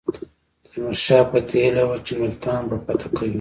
تیمور شاه پتېیلې وه چې ملتان به فتح کوي.